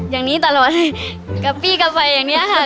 อย่างนี้ตลอดกับพี่กลับไปอย่างนี้ค่ะ